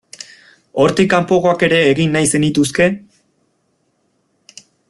Hortik kanpokoak ere egin nahi zenituzke?